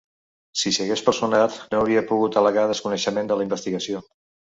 Si s’hi hagués personat, no hauria pogut al·legar desconeixement de la investigació.